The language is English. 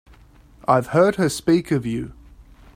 I've heard her speak of you.